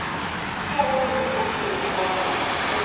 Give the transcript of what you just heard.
非常に秘匿性の高いものなんです。